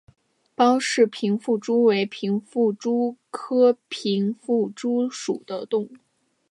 包氏平腹蛛为平腹蛛科平腹蛛属的动物。